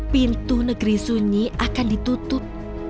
pintu negeri sunyi akan ditutup